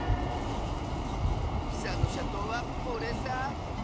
ピサのしゃとうはこれさ！